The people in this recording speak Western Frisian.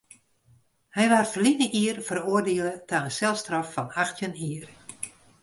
Hy waard ferline jier feroardiele ta in selstraf fan achttjin jier.